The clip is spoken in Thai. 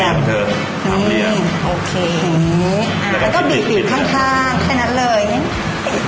อย่างงี้อย่างงี้อ่าแล้วก็บีบบีบข้างข้างเพียงนั้นเลยฉะนั้น